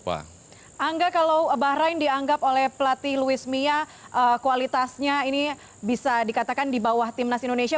angga kalau bahrain dianggap oleh pelatih luis mia kualitasnya ini bisa dikatakan di bawah timnas indonesia